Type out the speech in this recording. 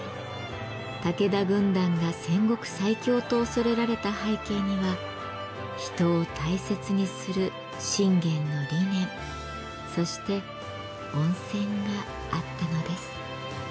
武田軍団が戦国最強と恐れられた背景には人を大切にする信玄の理念そして温泉があったのです。